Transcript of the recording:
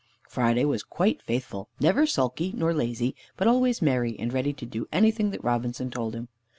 Friday was quite faithful, never sulky nor lazy, but always merry, and ready to do anything that Robinson told him.